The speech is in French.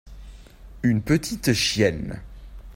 une petite chienne.